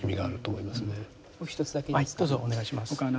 はいどうぞお願いします。